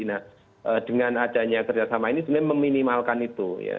nah dengan adanya kerjasama ini sebenarnya meminimalisir